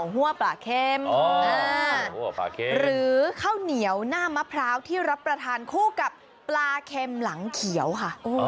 หัวปลาเข็มหรือข้าวเหนียวหน้ามะพร้าวที่รับประทานคู่กับปลาเข็มหลังเขียวค่ะ